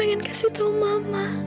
aku ingin kasih tau mama